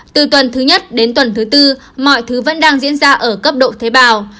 từ tuần thứ nhất đến tuần thứ tư mọi thứ vẫn đang diễn ra ở cấp độ thế bào